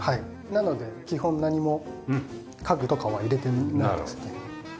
なので基本何も家具とかは入れてなくてですね。